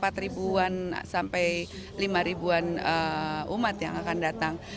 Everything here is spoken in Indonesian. dan umat yang akan datang